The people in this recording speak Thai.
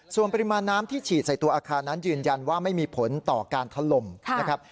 ส่วนปริมาณน้ำที่ฉีดใส่ตัวอาคารนั้นยืนยันว่าไม่มีผลต่อการถล่มนะครับ